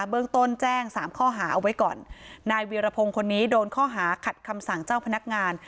เบื้องต้นแจ้งสามข้อหาเอาไว้ก่อนนายวีรพงศ์คนนี้โดนข้อหาขัดคำสั่งเจ้าพนักงาน